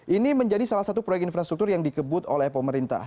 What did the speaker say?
ini menjadi salah satu proyek infrastruktur yang dikebut oleh pemerintah